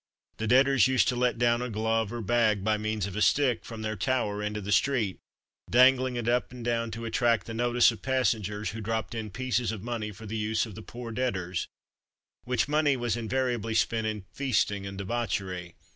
The debtors used to let down a glove or bag by means of a stick, from their tower into the street, dangling it up and down to attract the notice of passengers, who dropped in pieces of money for the use of the "poor debtors," which money was invariably spent in feasting and debauchery.